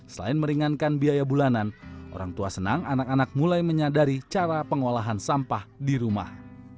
selain meringankan biaya bulanan orang tua senang anak anak mulai menyadari cara pengolahan sampah di rumah